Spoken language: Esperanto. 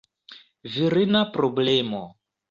Virina problemo!